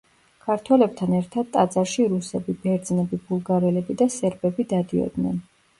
ქართველებთან ერთად ტაძარში რუსები, ბერძნები, ბულგარელები და სერბები დადიოდნენ.